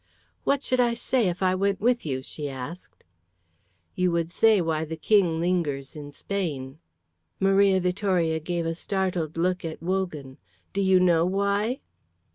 "What should I say if I went with you?" she asked. "You would say why the King lingers in Spain." Maria Vittoria gave a startled look at Wogan. "Do you know why?"